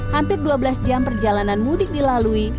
hampir dua belas jam perjalanan mudik dilalui